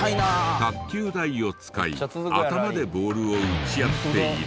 卓球台を使い頭でボールを打ち合っている。